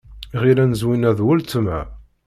Ɣilen Zwina d weltma.